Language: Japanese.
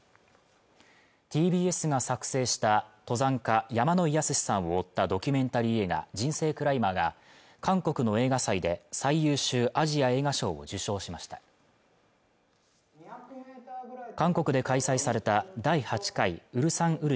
ＴＢＳが作成した登山家山野井泰史さんを追ったドキュメンタリー映画「人生クライマー」が韓国の映画祭で最優秀アジア映画賞を受賞しました韓国で開催された第８回蔚山蔚州